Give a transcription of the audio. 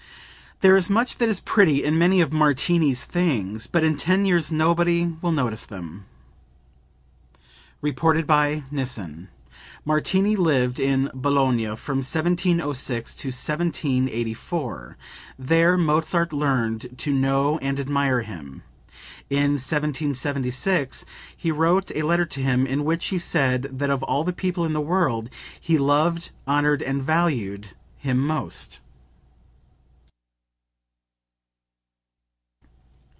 "There is much that is pretty in many of Martini's things, but in ten years nobody will notice them." (Reported by Nissen. Martini lived in Bologna from 1706 to 1784; there Mozart learned to know and admire him. In 1776 he wrote a letter to him in which he said that of all people in the world he "loved, honored and valued" him most.)